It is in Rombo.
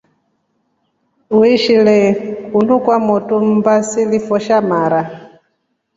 Uishile kunu kwa motu mbaa silifoe sha mara.